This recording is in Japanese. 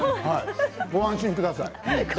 ご安心ください。